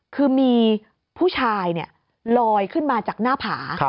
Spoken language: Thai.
คือมีผู้ชายลอยขึ้นมาจากหน้าผา